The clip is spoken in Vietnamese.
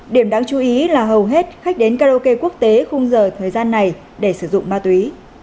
điểm đáng chú ý là hầu hết khách đến karaoke quốc tế khung giờ thời gian này để sử dụng ma túy